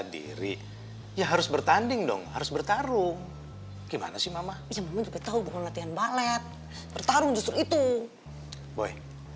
diri ya harus bertanding dong harus bertarung gimana sih mama juga tahu bukan latihan balet bertarung justru itu boy